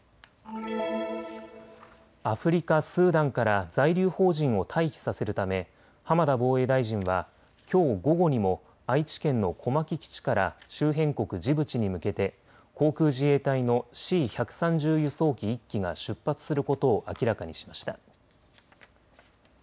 アフリカ・スーダンから在留邦人を退避させるため浜田防衛大臣はきょう午後にも愛知県の小牧基地から周辺国ジブチに向けて航空自衛隊のＣ１３０輸送機１機が出発することを明らかにしました。